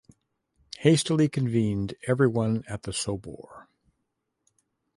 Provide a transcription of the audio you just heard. Hastily convened everyone at the Sobor.